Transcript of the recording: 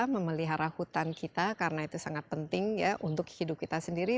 memelihara hutan kita karena itu sangat penting ya untuk hidup kita sendiri